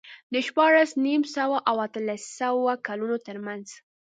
د شپاړس نیم سوه او اتلس سوه کلونو ترمنځ